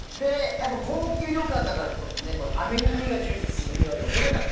高級旅館だからアメニティーが充実してる。